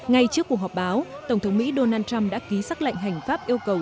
ngay trước cuộc họp báo tổng thống mỹ donald trump đã ký xác lệnh hành pháp yêu cầu